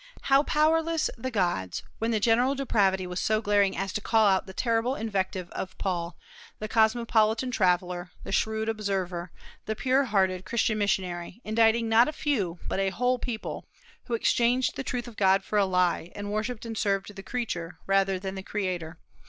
How powerless the gods, when the general depravity was so glaring as to call out the terrible invective of Paul, the cosmopolitan traveller, the shrewd observer, the pure hearted Christian missionary, indicting not a few, but a whole people: "Who exchanged the truth of God for a lie, and worshipped and served the creature rather than the Creator